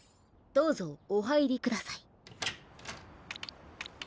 どうぞおはいりください。